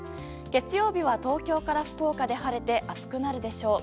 月曜日は、東京から福岡で晴れて暑くなるでしょう。